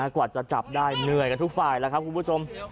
กว่าจะจับได้เหนื่อยกันทุกฝ่ายแล้วครับคุณผู้ชม